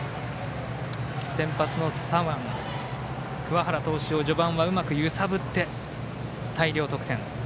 先発の左腕、桑原投手を序盤はうまく揺さぶって大量得点。